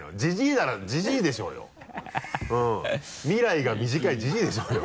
未来が短いジジイでしょうよ。